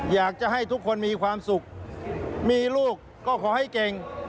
อยากจะให้ทุกคนมีความสุขมีลูกก็ขอให้เก่ง